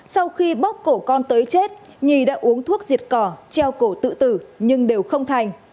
sau khi bóc cổ con tới chết nhi đã uống thuốc diệt cỏ treo cổ tự tử nhưng đều không thành